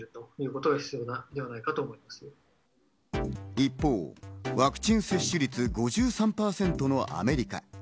一方、ワクチン接種率５３％のアメリカ。